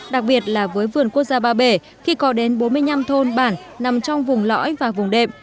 đặc biệt là với vườn quốc gia ba bể khi có đến bốn mươi năm thôn bản nằm trong vùng lõi và vùng đệm